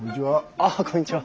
あっこんにちは。